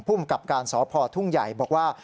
ภูมิกับการสพทุ่งใหญ่บอกว่า